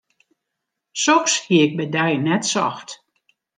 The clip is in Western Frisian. Soks hie ik by dy net socht.